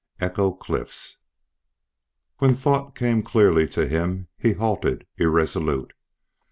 ECHO CLIFFS WHEN thought came clearly to him he halted irresolute.